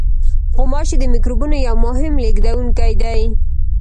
غوماشې د میکروبونو یو مهم لېږدوونکی دي.